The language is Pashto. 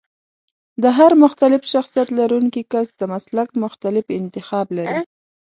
د هر مختلف شخصيت لرونکی کس د مسلک مختلف انتخاب لري.